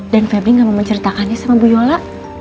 dan febri gak mau menceritakannya sama bu yola